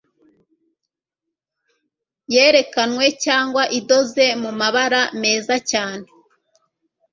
yerekanwe cyangwa idoze mumabara meza cyane